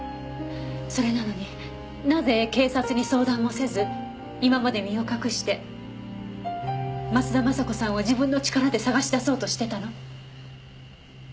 それなのになぜ警察に相談もせず今まで身を隠して松田雅子さんを自分の力で捜し出そうとしていたの？